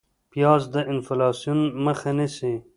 پیاز د انفلاسیون مخه نیسي